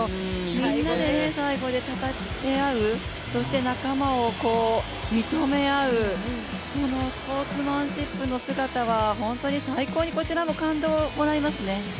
みんなで最後にたたえ合う、そして仲間を認め合う、そのスポーツマンシップの姿は本当に最高にこちらも感動をもらいますね。